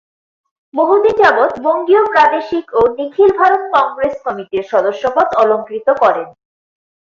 বহুদিন যাবত বঙ্গীয় প্রাদেশিক ও নিখিল ভারত কংগ্রেস কমিটির সদস্যপদ অলংকৃত করেন।